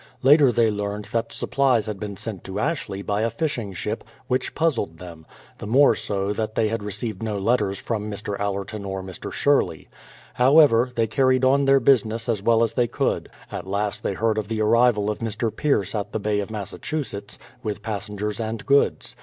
Later they learned that supplies had been sent to Ashley by a fishing ship, which puzzled them, — the more so tliat they 216 THE PLYMOUTH SETTLEMENT 217 had received no letters from Mr, Allerton or Mr. Sherley. However, they carried on their business as well as they could. At last they heard of the arrival of Mr. Pierce at the Bay of Massachusetts, with passengers and goods.